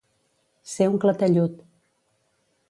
Ser un clatellut.